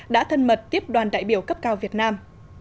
đã thân mật tiếp đoàn đại biểu cấp cao việt nam